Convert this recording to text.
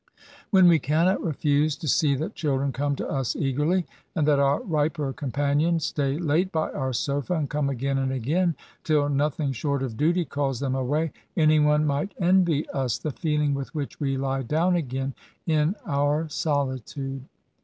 When GAINS AND PRIYILEGE8. 221 we cannot refuse to see that children come to us eagerly^ and that our riper companions stay late by our sofa^ and come again and again^ till nothing short of duty calls them away, any one might envy us the feelings with which we lie down again in our solitude.